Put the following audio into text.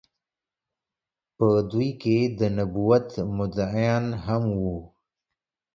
په دوی کې د نبوت مدعيانو هم وو